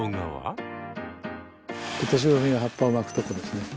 オトシブミが葉っぱを巻くとこですね。